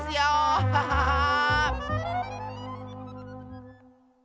アハハハー！